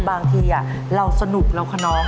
บางทีเราสนุกเราขนอง